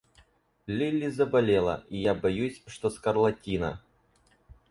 Лили заболела, и я боюсь, что скарлатина.